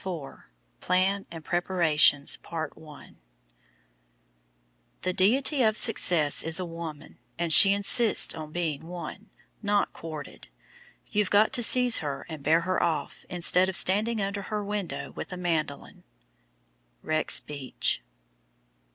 CHAPTER II Plan and Preparations "The deity of success is a woman, and she insists on being won, not courted. You've got to seize her and bear her off, instead of standing under her window with a mandolin." Rex Beach.